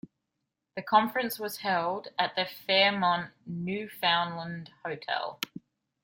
The conference was held at the Fairmont Newfoundland Hotel.